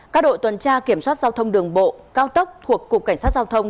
các đội tuần tra kiểm soát giao thông đường bộ cao tốc thuộc cục cảnh sát giao thông